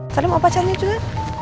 salim apa caranya itu ya